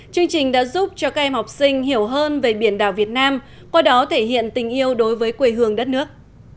chương trình đã giúp cho các em học sinh hiểu hơn về biển đảo việt nam qua đó thể hiện tình yêu đối với quê hương đất nước